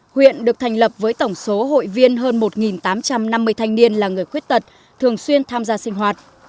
huyện được thành lập với tổng số hội viên hơn một tám trăm năm mươi thanh niên là người khuyết tật thường xuyên tham gia sinh hoạt